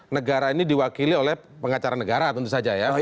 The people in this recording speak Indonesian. negara ini diwakili oleh pengacara negara tentu saja ya